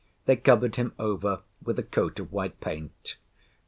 They covered him over with a coat of white paint.